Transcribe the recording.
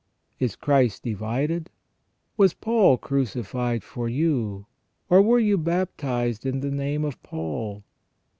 Is Christ divided ? Was Paul crucified for you ? Or were you baptized in the name of Paul